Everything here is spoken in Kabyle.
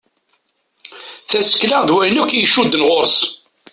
Tasekla d wayen akk i icudden ɣur-s.